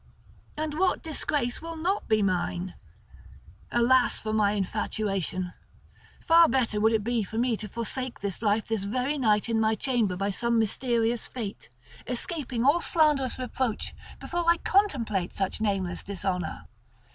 And what disgrace will not be mine? Alas for my infatuation! Far better would it be for me to forsake life this very night in my chamber by some mysterious fate, escaping all slanderous reproach, before I complete such nameless dishonour."